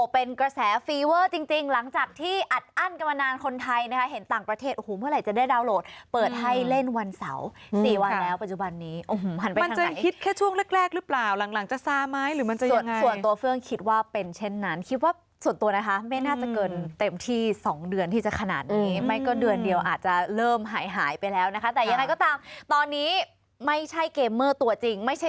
เปิดให้เล่นวันเสาร์๔วันแล้วปัจจุบันนี้มันจะคิดแค่ช่วงแรกหรือเปล่าหลังจะซ่าไหมหรือมันจะอย่างไรส่วนตัวเฟืองคิดว่าเป็นเช่นนั้นคิดว่าส่วนตัวนะคะไม่น่าจะเกินเต็มที่๒เดือนที่จะขนาดนี้ไม่ก็เดือนเดียวอาจจะเริ่มหายไปแล้วนะคะแต่ยังไงก็ตามตอนนี้ไม่ใช่เกมเมอร์ตัวจริงไม่ใช่